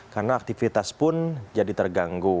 karena aktivitas pun jadi terganggu